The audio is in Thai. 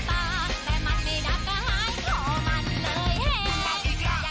ไปดูกันเลยค่ะ